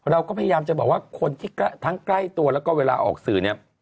เราก็พยายามจะบอกว่าคนที่ทั้งใกล้ตัวแล้วก็เวลาออกสื่อเนี่ย